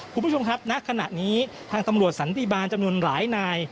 คุณผู้ชมครับณขณะนี้ทางตำรวจสันติบาลจำนวนหลายนาย